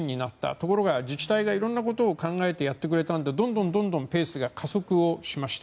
ところが自治体がいろんなことを考えてやってくれたのでペースが加速しました。